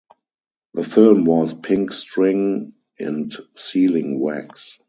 The film was 'Pink String and Sealing Wax'.